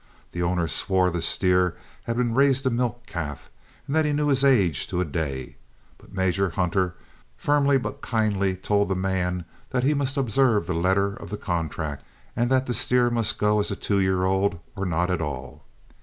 The owner swore the steer had been raised a milk calf; that he knew his age to a day; but Major Hunter firmly yet kindly told the man that he must observe the letter of the contract and that the steer must go as a two year old or not at all.